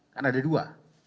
kan ada dua